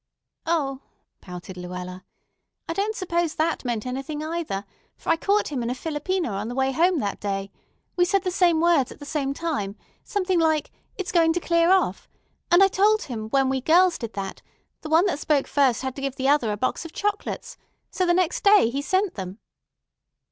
"O," pouted Luella, "I don't suppose that meant anything either, for I caught him in a philopena on the way home that day. We said the same words at the same time, something like 'It's going to clear off,' and I told him, when we girls did that, the one that spoke first had to give the other a box of chocolates; so the next day he sent them."